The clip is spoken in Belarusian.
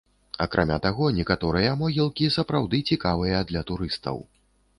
Акрамя таго, некаторыя могілкі сапраўды цікавыя для турыстаў.